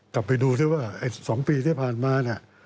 กลับไปดูซึ่งว่า๒ปีที่ผ่านมา